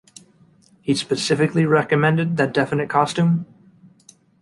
He specifically recommended that definite costume?